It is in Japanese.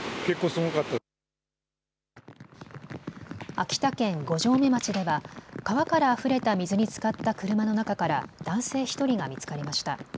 秋田県五城目町では川からあふれた水につかった車の中から男性１人が見つかりました。